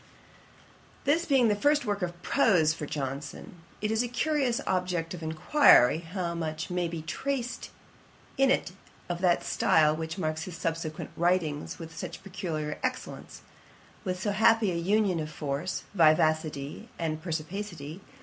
This being the first prose work of Johnson, it is a curious object of inquiry how much may be traced in it of that style which marks his subsequent writings with such peculiar excellence; with so happy an union of force, vivacity, and perspicuity.